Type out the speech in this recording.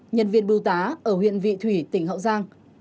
nhân viên bưu tá ở huyện vị thủy tỉnh hậu giang